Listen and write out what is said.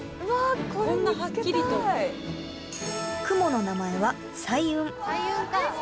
雲の名前は彩雲